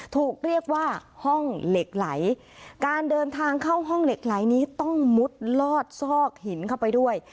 ถูกเรียกว่าห้องเหล็กไหลการเดินทางเข้าห้องเหล็กไหลนี้ต้องมุดลอดซอกหินเข้าไปด้วย